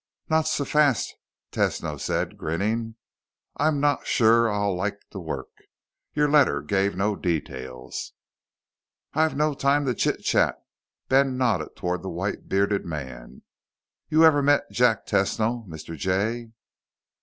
"Not so fast," Tesno said, grinning. "I'm not sure I'll like the work. Your letter gave no details." "I've no time to chit chat." Ben nodded toward the white bearded man. "You ever met Jack Tesno, Mr. Jay?"